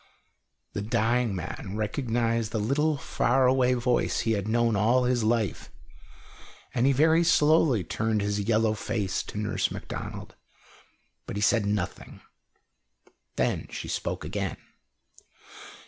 The dying man recognised the little faraway voice he had known all his life, and he very slowly turned his yellow face to Nurse Macdonald; but he said nothing. Then she spoke again.